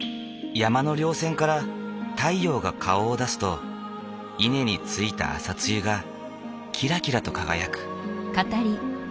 山の稜線から太陽が顔を出すと稲についた朝露がキラキラと輝く。